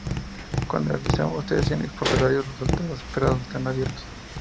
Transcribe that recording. Cuando realizamos testing exploratorio, los resultados esperados están abiertos.